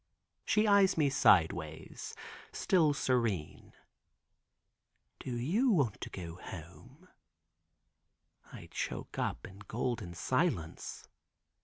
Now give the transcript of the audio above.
She eyes me sideways, still serene. "Do you want to go home?" I choke up in golden silence.